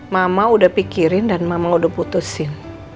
mama udah pikirin dan mama udah putusin